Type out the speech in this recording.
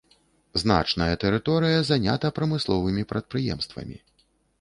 Значная тэрыторыя занята прамысловымі прадпрыемствамі.